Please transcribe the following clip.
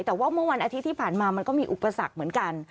แต่ว่าเมื่อวันอาทิตย์ที่ผ่านมามันก็มีอุปสรรคเหมือนกัน